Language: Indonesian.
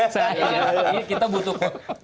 saya kita butuh